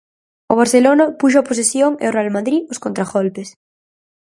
O Barcelona puxo a posesión e o Real Madrid os contragolpes.